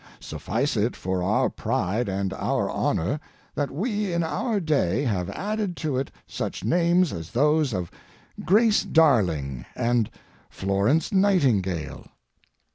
Suffice it for our pride and our honor that we in our day have added to it such names as those of Grace Darling and Florence Nightingale.